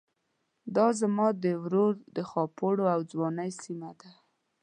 دا زما د مور د خاپوړو او ځوانۍ سيمه ده.